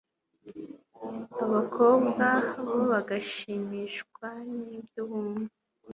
abakobwa bo bagashimishwa n ibyo bumva